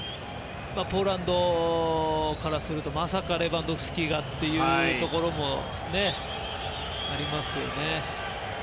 ポーランドからするとまさかレバンドフスキがというところもありますよね。